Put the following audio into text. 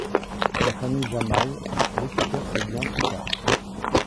La famille Jamaï récupère ses biens plus tard.